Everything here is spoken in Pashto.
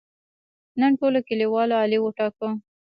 نن ټولو کلیوالو علي وټاکه.